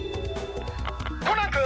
コナン君？